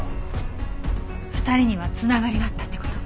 ２人には繋がりがあったって事？